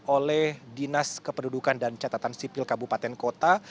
oleh dinas kependudukan dan catatan sipil kabupaten kota